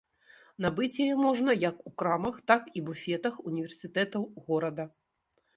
Набыць яе можна як у крамах, так і буфетах універсітэтаў горада.